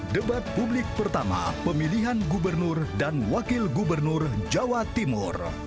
debat publik pertama pemilihan gubernur dan wakil gubernur jawa timur